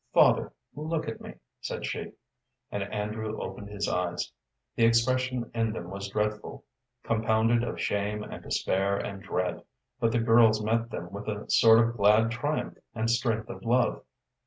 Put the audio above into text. "Father, look at me," said she, and Andrew opened his eyes. The expression in them was dreadful, compounded of shame and despair and dread, but the girl's met them with a sort of glad triumph and strength of love.